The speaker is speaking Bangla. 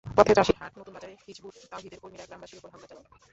পথে চাষির হাট নতুন বাজারে হিজবুত তওহিদের কর্মীরা গ্রামবাসীর ওপর হামলা চালান।